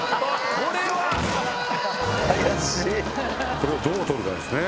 これをどう取るかですね。